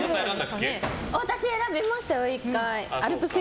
私選びましたよ、１回。